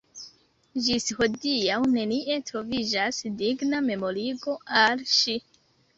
Ĝis hodiaŭ nenie troviĝas digna memorigo al ŝi.